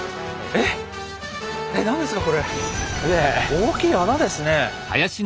大きい穴ですね。